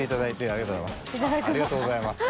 ありがとうございます。